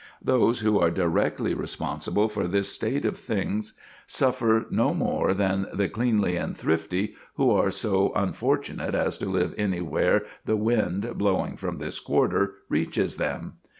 "Those who are directly responsible for this state of things suffer no more than the cleanly and thrifty who are so unfortunate as to live anywhere the wind, blowing from this quarter, reaches them.